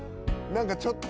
何かちょっと。